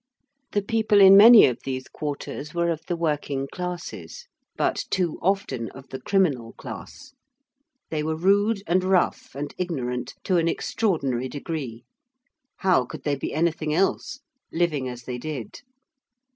The people in many of these quarters were of the working classes, but too often of the criminal class. They were rude and rough and ignorant to an extraordinary degree. How could they be anything else, living as they did?